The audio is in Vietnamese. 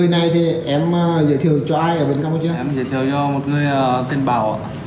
em giới thiệu cho một người tên bảo ạ